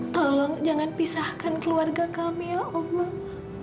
tolong jangan pisahkan keluarga kami ya allah